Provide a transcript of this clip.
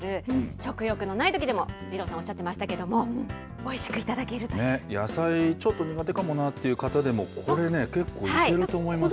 食欲のないときでも、二郎さんおっしゃってましたけれども、おい野菜ちょっと苦手かもなっていう方でも、これね、けっこういけると思いますよ。